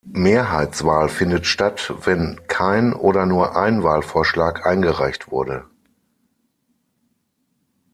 Mehrheitswahl findet statt, wenn kein oder nur ein Wahlvorschlag eingereicht wurde.